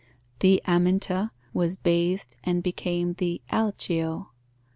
The Aminta was bathed and became the Alceo.